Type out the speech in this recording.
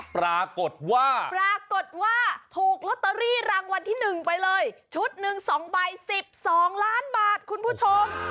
ปรากฏว่าปรากฏว่าถูกลอตเตอรี่รางวัลที่๑ไปเลยชุดหนึ่ง๒ใบ๑๒ล้านบาทคุณผู้ชม